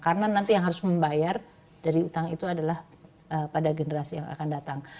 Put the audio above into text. karena nanti yang harus membayar dari hutang itu adalah pada generasi yang akan datang